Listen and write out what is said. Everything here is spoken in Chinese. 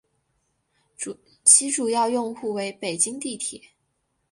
其主要用户为北京地铁。